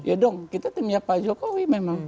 ya dong kita timnya pak jokowi memang